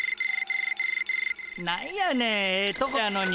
何やねんええとこやのに。